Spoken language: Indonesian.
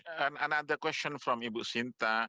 pertanyaan lain dari ibu sinta